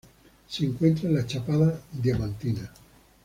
Se encuentra en la Chapada Diamantina.